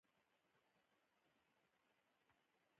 د متون لوستل او څېړل دوې موخي لري.